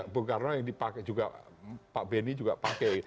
bung karno yang dipakai juga pak benny juga pakai